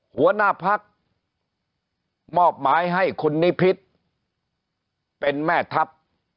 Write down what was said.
หัวหน้าพักมอบหมายให้คุณนิพิษเป็นแม่ทัพ